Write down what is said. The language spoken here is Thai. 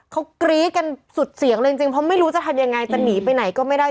เขากรี๊ดกันสุดเสียงเลยจริงเพราะไม่รู้จะทำยังไงจะหนีไปไหนก็ไม่ได้